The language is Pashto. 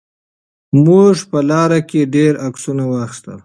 موږ په لاره کې ډېر عکسونه واخیستل.